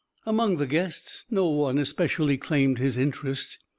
Among the guests no one especially claimed his interest.